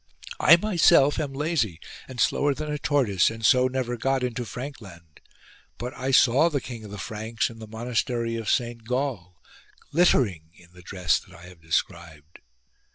I myself am lazy and slower than a tortoise, and so never got into Frankland ; but I saw the King of the Franks in the monastery of Saint Gall, glittering in the dress that I have described.